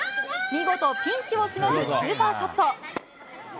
見事、ピンチをしのぐスーパーショット。